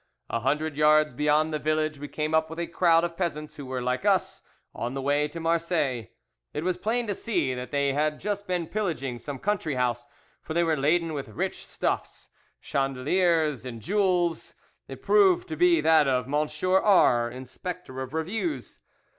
A hundred yards beyond the village we came up with a crowd of peasants, who were, like us, on the way to Marseilles. It was plain to see that they had just been pillaging some country house, for they were laden with rich stuffs, chandeliers and jewels. It proved to be that of M. R____, inspector of reviews.